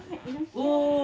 お！